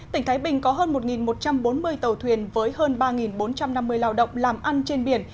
tỉnh thái bình có hơn một một trăm bốn mươi tàu thuyền với hơn ba bốn trăm năm mươi lao động làm ăn trên biển